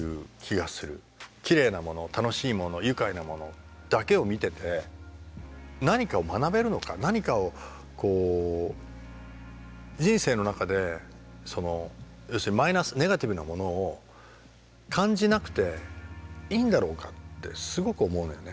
きれいなもの楽しいもの愉快なものだけを見てて何かを学べるのか何かをこう人生の中で要するにマイナスネガティブなものを感じなくていいんだろうかってすごく思うのよね。